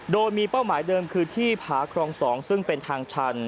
โดยมีเป้าหมายเดิมคือที่ผาครอง๒ซึ่งเป็นทางชัน